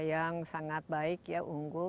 yang sangat baik unggul